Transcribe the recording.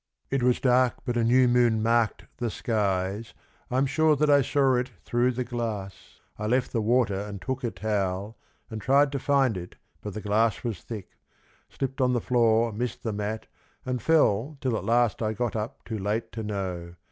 It was dark, but a new moon marked the skies, I'm sure that I saw it through the glass, I left the water, and took a towel, and tried to find it, but the glass was thick, Slipped on the floor, missed the mat, and fell, till at Uibt I got up, too late to know.